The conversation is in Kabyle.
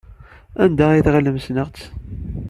Anda ay tɣilemt ssneɣ-tt?